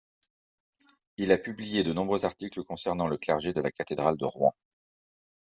Il a publié de nombreux articles concernant le clergé de la cathédrale de Rouen.